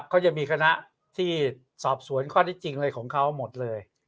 เขาจะมีคณะที่สอบสวนข้อที่จริงอะไรของเขาหมดเลย